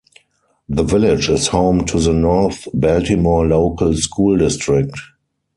The village is home to the North Baltimore Local School District.